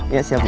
iya siap bu